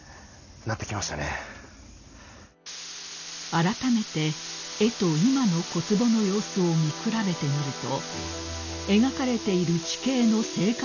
［あらためて絵と今の小坪の様子を見比べてみると］